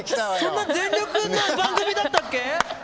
そんな全力な番組だったっけ？